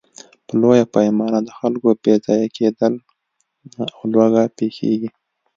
په لویه پیمانه د خلکو بېځایه کېدل او لوږه پېښېږي.